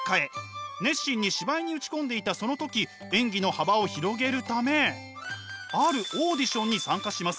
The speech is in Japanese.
熱心に芝居に打ち込んでいたその時演技の幅を広げるためあるオーディションに参加します。